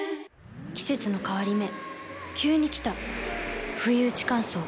季節の変わり目急に来たふいうち乾燥。